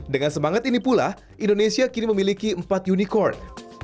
dengan semangat ini pula indonesia kini memiliki empat unicorn